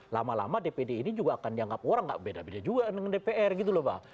lama lama dpd ini juga akan dianggap orang gak beda beda juga dengan dpr gitu loh pak